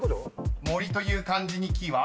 ［「森」という漢字に「木」は？］